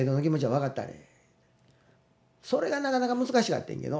それがなかなか難しかってんけど。